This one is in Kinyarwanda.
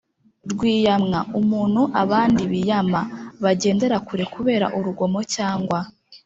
rwiyamwa: umuntu abandi biyama, bagendera kure kubera urugomo cyangwa